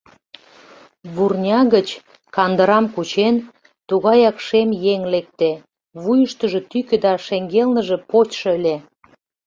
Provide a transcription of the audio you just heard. Вурня гыч, кандырам кучен, тугаяк шем еҥ лекте, вуйыштыжо тӱкӧ да шеҥгелныже почшо ыле.